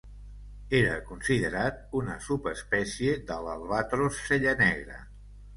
Era considerat una subespècie de l'albatros cellanegre.